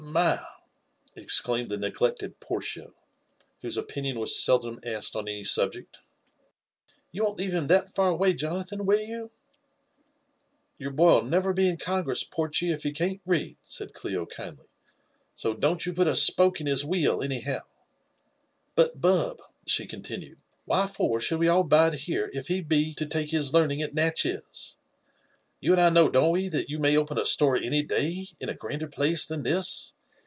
*' "My 1" exclaimed the neglected Portia, whose opinioa wa* feldom asked on any subject, " you won't leaye bim that f^ away, Jo nathan, will yoi> ?" "Your boy '11 never be in Googress, Pprchy, if be can't read," said Clio kindly ; '^$o don't you put a spoke in bis wheel, foyr bp^. But, Bub/' she continued, " why for should we all bide here, if he be to t^ bis learning at Natchez? You and I know, don't we, that you may open a store any day in a grander place than this?